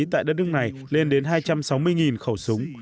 tại đất nước này lên đến hai trăm sáu mươi khẩu súng